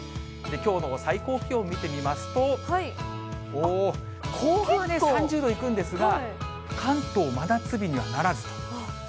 きょうの最高気温見てみますと、おー、甲府は３０度いくんですが、関東、真夏日にはならずと。